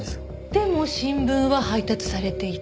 でも新聞は配達されていた。